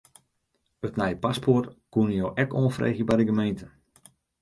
It nije paspoart kinne jo ek oanfreegje by de gemeente.